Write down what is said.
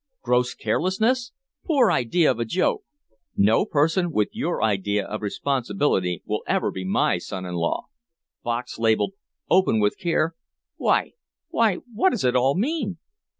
'Gross carelessness! Poor idea of a joke! No person with your idea of responsibility will ever be my son in law!' Box labeled 'open with care!' Why why what does it all mean?"